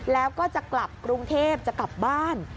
แล้วก็จะกลับกรุงเทพจะกลับบ้าน